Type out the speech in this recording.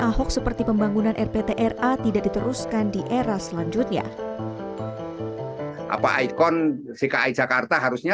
ahok seperti pembangunan rptra tidak diteruskan di era selanjutnya apa ikon dki jakarta harusnya